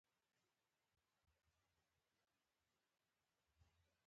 په جنګ اچولو څخه لاس واخله.